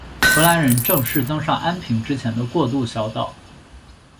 荷兰人正式登上安平之前的过渡小岛。